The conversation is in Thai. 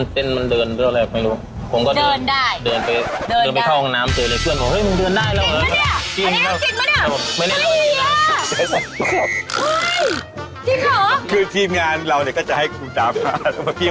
พี่แข่งเรื่องจริงนะพี่